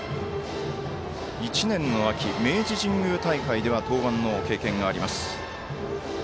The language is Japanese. １年の秋明治神宮大会では登板の経験があります。